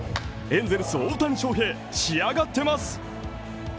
エンゼルス・大谷翔平、仕上がってます。